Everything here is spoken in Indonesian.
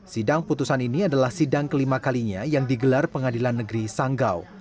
sidang putusan ini adalah sidang kelima kalinya yang digelar pengadilan negeri sanggau